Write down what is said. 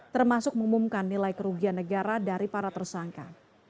termasuk mengumumkan nilai kerugian negara dari para tersangka